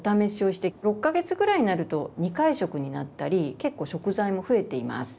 ６か月ぐらいになると２回食になったり結構食材も増えています。